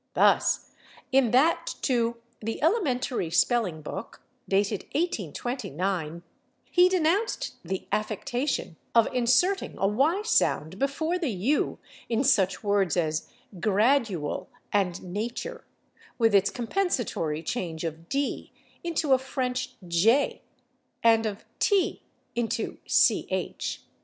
Thus, in that to "The Elementary Spelling [Pg096] Book," dated 1829, he denounced the "affectation" of inserting a /y/ sound before the /u/ in such words as /gradual/ and /nature/, with its compensatory change of /d/ into a French /j/ and of /t/ into /ch